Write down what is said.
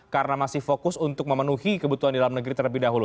karena masih fokus untuk memenuhi kebutuhan di dalam negeri terlebih dahulu